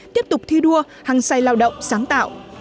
tiếp tục thi đua hăng say lao động sáng tạo